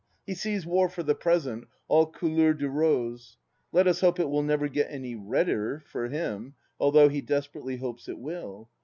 He sees war, for the present, all couleur de rose. Let us hope it will never get any redder — ^for him — although he desperately hopes it wUl.